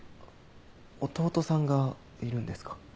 弟さんがいるんですか？